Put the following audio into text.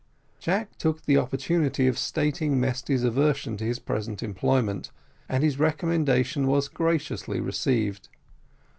Jack took the opportunity of stating Mesty's aversion to his present employment, and his recommendation was graciously received.